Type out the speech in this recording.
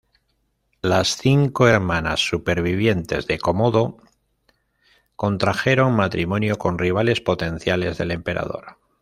Las cinco hermanas supervivientes de Cómodo contrajeron matrimonio con rivales potenciales del emperador.